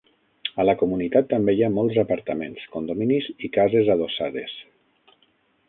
A la comunitat també hi ha molts apartaments, condominis i cases adossades.